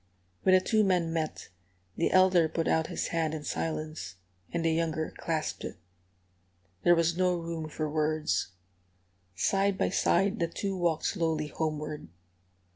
When the two men met, the elder put out his hand in silence, and the younger clasped it. There was no room for words. Side by side the two walked slowly homeward.